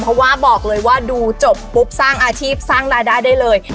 เพราะว่าบอกเลยว่าดูจบปุ๊บสร้างอาชีพสร้างรายได้ได้เลย